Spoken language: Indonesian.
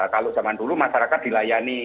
kalau zaman dulu masyarakat dilayani